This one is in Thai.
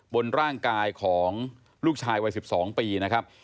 บนร่างกายของลูกชายวัย๑๒ปีนะครับ